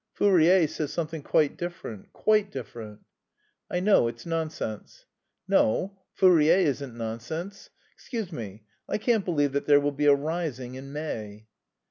"Fourier says something quite different, quite different." "I know it's nonsense." "No, Fourier isn't nonsense.... Excuse me, I can't believe that there will be a rising in May."